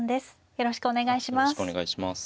よろしくお願いします。